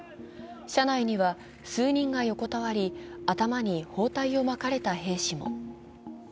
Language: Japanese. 車内には数人が横たわり頭に包帯を巻かれた兵士も。